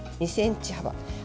２ｃｍ幅。